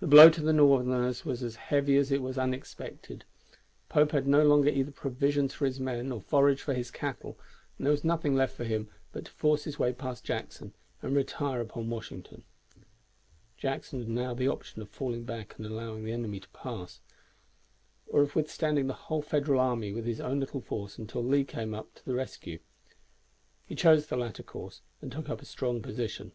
The blow to the Northerners was as heavy as it was unexpected. Pope had no longer either provisions for his men or forage for his cattle, and there was nothing left for him but to force his way past Jackson and retire upon Washington. Jackson had now the option of falling back and allowing the enemy to pass, or of withstanding the whole Federal army with his own little force until Lee came up to the rescue. He chose the latter course, and took up a strong position.